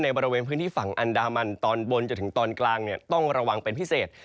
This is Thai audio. บริเวณพื้นที่ฝั่งอันดามันตอนบนจนถึงตอนกลางต้องระวังเป็นพิเศษ